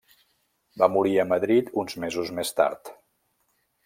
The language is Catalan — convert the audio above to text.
Va morir a Madrid uns mesos més tard.